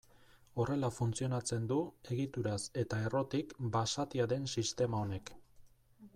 Horrela funtzionatzen du egituraz eta errotik basatia den sistema honek.